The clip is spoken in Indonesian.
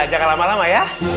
jangan lama lama ya